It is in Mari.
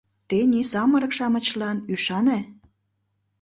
Тений самырык-шамычлан ӱшане!